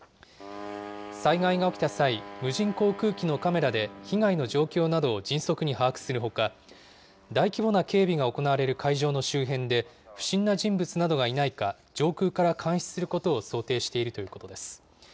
災害が起きた際、無人航空機のカメラで被害の状況などを迅速に把握するほか、大規模な警備が行われる会場の周辺で不審な人物などがいないか、上空から監視することを想定しているということです。